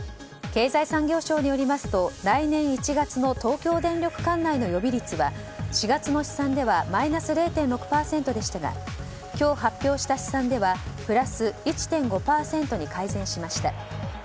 経済産業省によりますと来年１月の東京電力管内の予備率は４月の試算ではマイナス０．６％でしたが今日発表した試算ではプラス１．５％に改善しました。